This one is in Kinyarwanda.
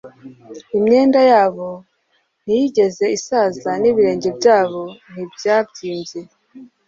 imyenda yabo ntiyigeze isaza n ibirenge byabo ntibyabyimbye